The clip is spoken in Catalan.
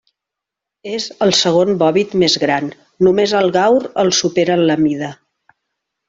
És el segon bòvid més gran, només el gaur el supera en la mida.